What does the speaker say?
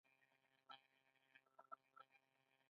کاناډا د بایسکل جوړولو صنعت لري.